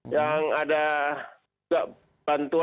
yang ada juga bantuan